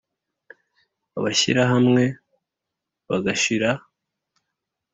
abashyirahamwe bagashira